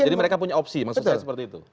jadi mereka punya opsi maksud saya seperti itu